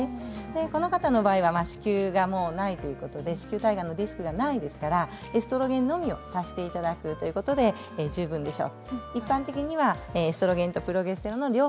この方は子宮がないということで子宮体がんのリスクがないのでエストロゲンのみを足すということで十分でしょう。